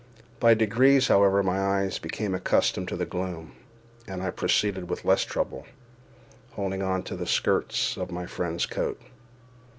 By degrees, however, my eyes became accustomed to the gloom, and I proceeded with less trouble, holding on to the skirts of my friend's coat.